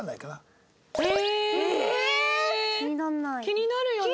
気になるよね？